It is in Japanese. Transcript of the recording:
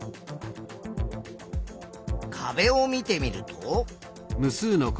壁を見てみると。